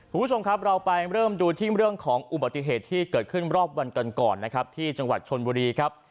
คุณผู้ชมครับเราไปเริ่มดูที่เรื่องของอุบัติเหตุที่เกิดขึ้นรอบวันกันก่อนนะครับที่จังหวัดชนบุรีครับ